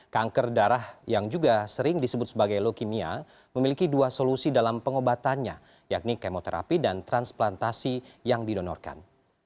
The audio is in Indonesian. kanker darah yang juga sering disebut sebagai leukemia memiliki dua solusi dalam pengobatannya yakni kemoterapi dan transplantasi yang didonorkan